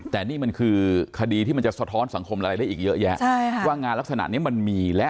แต่นี่มันคือคดีที่จะสะท้อนสังคมลายได้อีกเยอะแยะว่างานลักษณะนี้มันมีแล้ว